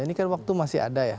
ini kan waktu masih ada ya